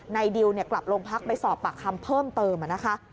ดิวกลับโรงพักไปสอบปากคำเพิ่มเติมนะคะ